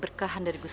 dengar radmi dengar